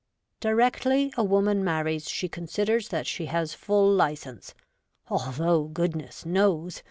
Directly a woman marries, she considers that she has full licence ; although, goodness knows